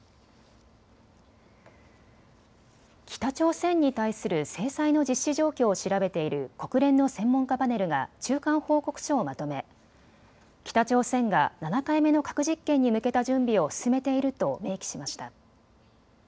北朝鮮に対する制裁の実施状況を調べている国連の専門家パネルが中間報告書をまとめ、北朝鮮が７回目の核実験に向けた準備を進めていると明記しました。